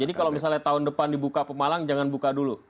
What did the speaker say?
jadi kalau misalnya tahun depan dibuka pemalang jangan buka dulu